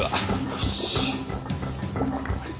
よし。